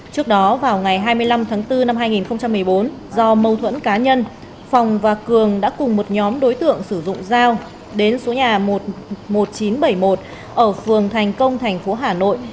trước đó vào ngày hai mươi năm tháng bốn năm hai nghìn một mươi bốn do mâu thuẫn cá nhân phòng và cường đã cùng một nhóm đối tượng sử dụng dao đến số nhà một nghìn chín trăm bảy mươi một ở phường thành công tp hà nội